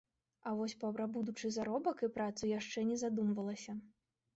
А вось пра будучы заробак і працу яшчэ не задумвалася.